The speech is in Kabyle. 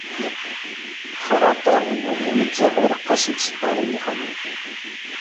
Xerraṭa, yuli nezzeh ureqqas n tseddarin n lḥamu.